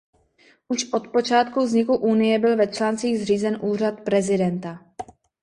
Už od počátku vzniku Unie byl ve Článcích zřízen úřad prezidenta.